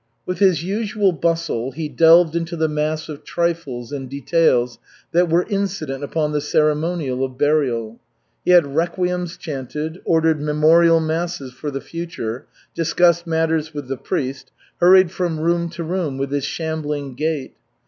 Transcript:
With his usual bustle he delved into the mass of trifles and details that were incident upon the ceremonial of burial. He had requiems chanted, ordered memorial masses for the future, discussed matters with the priest, hurried from room to room with his shambling gait.